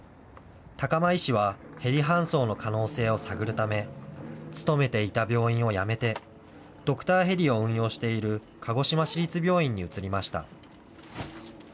高間医師はヘリ搬送の可能性を探るため、勤めていた病院を辞めて、ドクターヘリを運用している鹿児島市立病院に移りました。